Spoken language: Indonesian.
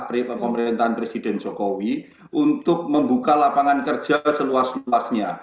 pemerintahan presiden jokowi untuk membuka lapangan kerja seluas luasnya